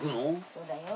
そうだよ。